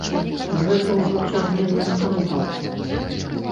Гэта ўжо цягне на скандал.